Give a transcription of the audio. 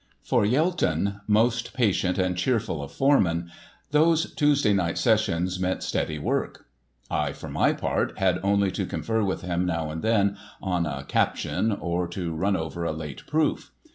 For Yelton, most patient and cheerful of foremen, those Tuesday night sessions meant steady work. I, for my part, had only to confer with him now and then on a "Caption" or to run over a late proof.